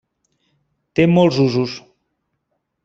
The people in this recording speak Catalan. Té molts usos.